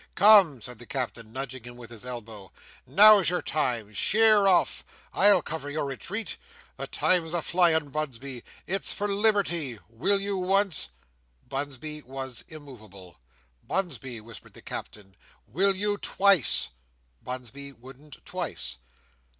"Come!" said the Captain, nudging him with his elbow, "now's your time! Sheer off! I'll cover your retreat. The time's a flying. Bunsby! It's for liberty. Will you once?" Bunsby was immovable. "Bunsby!" whispered the Captain, "will you twice?" Bunsby wouldn't twice.